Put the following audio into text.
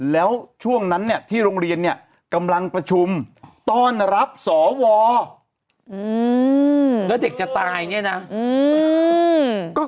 แล้วช่วงนั้นเนี่ยที่โรงเรียนเนี่ยกำลังประชุมต้อนรับสวแล้วเด็กจะตายเนี่ยนะ